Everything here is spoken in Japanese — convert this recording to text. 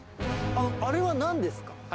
あれはなんですか？